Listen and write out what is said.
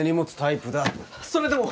それでも！